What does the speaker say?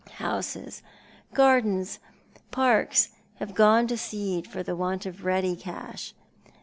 Houses, gardens, parks have gone to seed for want of ready cash.